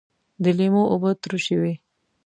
د لیمو اوبه ترشی وي